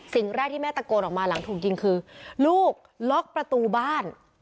สิ่งแรกที่แม่ตะโกนออกมาหลังถูกยิงคือลูกล็อกประตูบ้าน